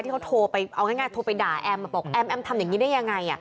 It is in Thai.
เขาโทรไปเอาง่ายโทรไปด่าแอมมาบอกแอมแอมทำอย่างนี้ได้ยังไง